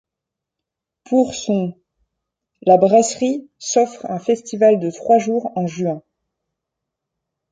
Pour son la brasserie s'offre un festival de trois jours en juin.